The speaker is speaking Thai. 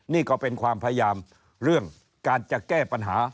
นี่ก็เป็นความพยายามเรื่องการจะแก้ปัญหา